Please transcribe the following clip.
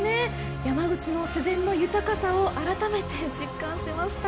山口の自然の豊かさを改めて実感しました。